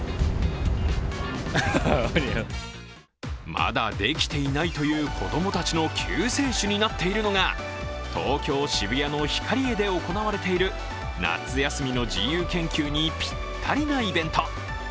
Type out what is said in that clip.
まだできていないという子どもたちの救世主になっているのが東京・渋谷のヒカリエで行われている夏休みの自由研究にぴったりなイベント。